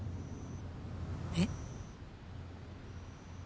えっ？